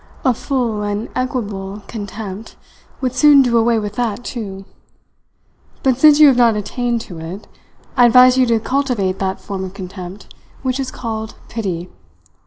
A full and equable contempt would soon do away with that, too. But since you have not attained to it, I advise you to cultivate that form of contempt which is called pity.